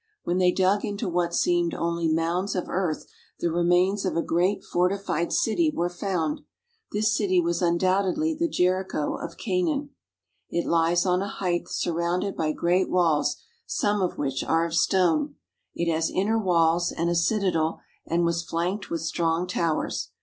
When they dug into what seemed only mounds of earth the remains of a great fortified city were found. This city was undoubtedly the Jericho of Canaan. It lies on a height surrounded by great walls some of which are of stone. It has inner walls and a citadel and was flanked with strong towers.